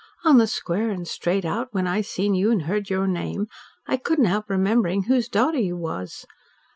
On the square and straight out, when I seen you and heard your name I couldn't help remembering whose daughter you was.